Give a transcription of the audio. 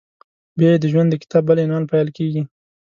بیا یې د ژوند د کتاب بل عنوان پیل کېږي…